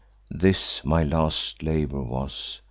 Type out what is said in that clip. This my last labour was.